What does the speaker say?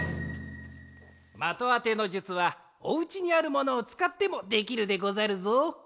まとあてのじゅつはおうちにあるものをつかってもできるでござるぞ。